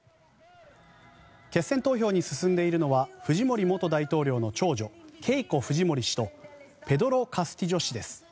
決選投票に進んでいるのはフジモリ元大統領の長女ケイコ・フジモリ氏とペドロ・カスティジョ氏です。